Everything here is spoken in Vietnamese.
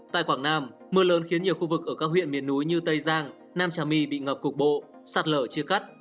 tại quảng nam mưa lớn khiến nhiều khu vực ở các huyện miền núi như tây giang nam trà my bị ngập cục bộ sạt lở chia cắt